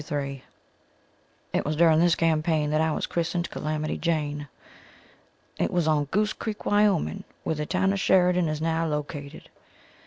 It was during this campaign that I was christened Calamity Jane. It was on Goose Creek, Wyoming, where the town of Sheridan is now located.